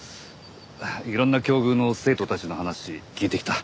いろんな境遇の生徒たちの話聞いてきた。